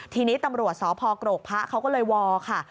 ทีนี้ตำรวจสพกรกพระเขาก็เลยวอลค่ะ